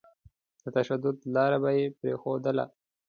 د تشدد لاره به يې پرېښودله.